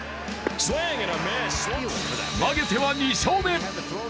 投げては２勝目。